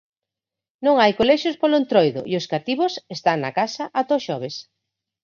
Non hai colexios polo Entroido, e os cativos están na casa ata o xoves.